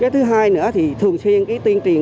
thứ hai nữa thì thường xuyên tuyên truyền